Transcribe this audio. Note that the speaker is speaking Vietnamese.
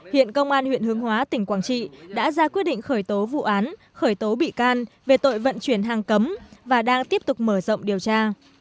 hiện công an huyện hướng hóa tỉnh quảng trị đã ra quyết định khởi tố vụ án khởi tố bị can về tội vận chuyển hàng cấm và đang tiếp tục mở rộng điều tra